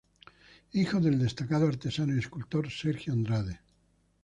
Hijo del destacado artesano y escultor Sergio Andrade.